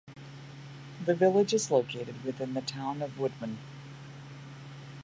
The village is located within the Town of Woodman.